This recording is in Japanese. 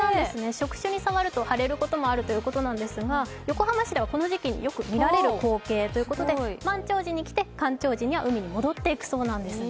触手に触ると腫れることもあるということなんですが、横浜市では、この時期によく見られる光景ということで満潮時に来て干潮時には海に戻っていくということなんですね。